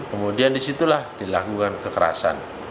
kemudian disitulah dilakukan kekerasan